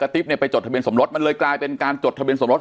ติ๊บเนี่ยไปจดทะเบียนสมรสมันเลยกลายเป็นการจดทะเบียสมรส